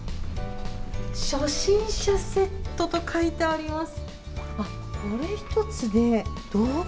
初心者セットと書いてあります。